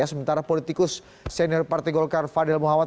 sementara politikus senior partai golkar fadil muhammad